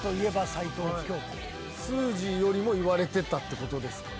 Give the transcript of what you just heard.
すーじーよりも言われてたってことですから。